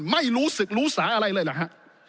ไม่รู้สึกรู้สาอะไรเลยเหรอฮะ